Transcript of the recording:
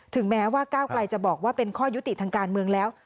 แม้ว่าก้าวไกลจะบอกว่าเป็นข้อยุติทางการเมืองแล้ว